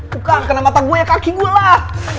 bukan kena mata gue ya kaki gue lah